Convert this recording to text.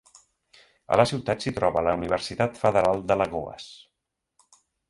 A la ciutat s'hi troba la Universitat Federal d'Alagoas.